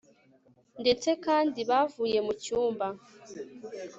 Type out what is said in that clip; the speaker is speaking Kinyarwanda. ndetse kandi bavuye mucyumba